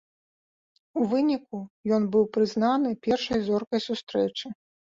У выніку ён быў прызнаны першай зоркай сустрэчы.